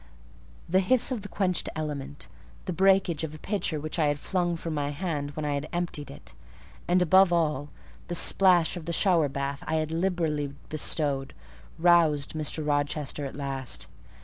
The hiss of the quenched element, the breakage of a pitcher which I flung from my hand when I had emptied it, and, above all, the splash of the shower bath I had liberally bestowed, roused Mr. Rochester at last.